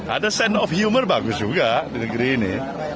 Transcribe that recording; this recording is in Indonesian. ada sense of humor bagus juga di negeri ini